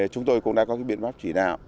chúng tôi cũng đã có cái biện pháp chỉ nào